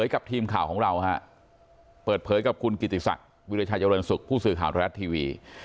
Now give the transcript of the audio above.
กลุ่มข่าวของเราเปิดเผยกับคุณกิติศักดิ์วิทยาชาโรยนศุกร์ผู้สื่อข่าวตลาดทีวี